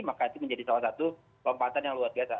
maka itu menjadi salah satu lompatan yang luar biasa